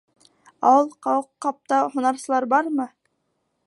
Ә ул ҡауҡабта һунарсылар бармы?